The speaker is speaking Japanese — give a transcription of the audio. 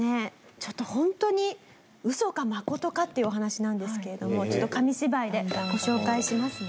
ちょっと本当に嘘かまことかっていうお話なんですけれどもちょっと紙芝居でご紹介しますね。